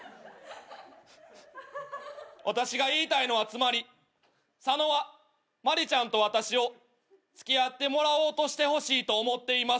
「私が言いたいのはつまり佐野はマリちゃんと私を付き合ってもらおうとしてほしいと思っています」